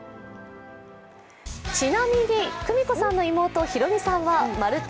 ちなみに、久美子さんの妹、洋美さんは「まるっと！